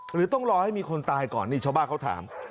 หรือต้องรอให้มีคนตายก่อนนี่ชาวบ้านเขาถาม